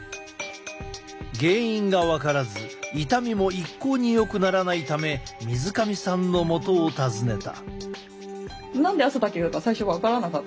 原因が分からず痛みも一向によくならないため水上さんのもとを訪ねた。